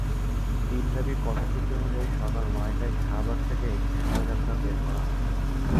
দিনব্যাপী কর্মসূচি অনুযায়ী সকাল নয়টায় শাহবাগ থেকে একটি শোভাযাত্রা বের করা হয়।